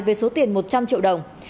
với số tiền một trăm linh triệu đồng